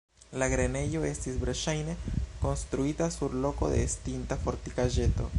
La grenejo estis verŝajne konstruita sur loko de estinta fortikaĵeto.